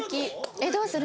えっどうする？